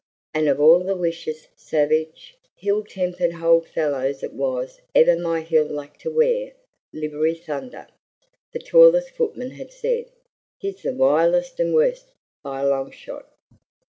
"An' of all the wicious, savage, hill tempered hold fellows it was ever my hill luck to wear livery hunder," the tallest footman had said, "he's the wiolentest and wust by a long shot."